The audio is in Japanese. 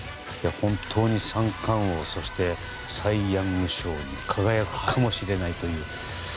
本当に三冠王そしてサイ・ヤング賞に輝くかもしれないという。